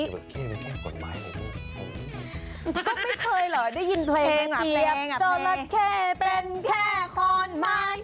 ก็ไม่เคยเหรอเดี๋ยวได้ยินเพลงเมื่อกี้